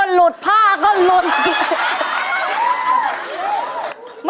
เยี่ยม